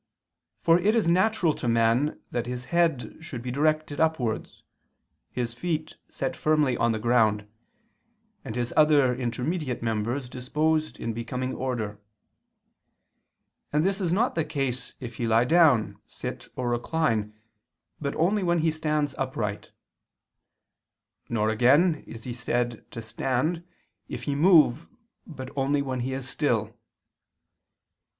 For it is natural to man that his head should be directed upwards, his feet set firmly on the ground, and his other intermediate members disposed in becoming order; and this is not the case if he lie down, sit, or recline, but only when he stands upright: nor again is he said to stand, if he move, but only when he is still.